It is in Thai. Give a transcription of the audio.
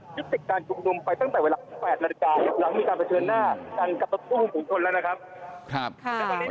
เพื่อจากกลุ่มทางลูกฟ้าเนี่ย